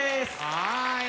はい！